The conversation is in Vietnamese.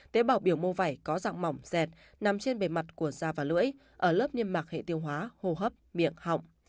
tế bào biểu mô vẩy có dạng mỏng dẹp nằm trên bề mặt của da và lưỡi ở lớp niêm mạc hệ tiêu hóa hồ hấp miệng họng